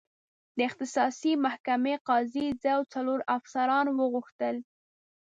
د اختصاصي محکمې قاضي زه او څلور افسران وغوښتل.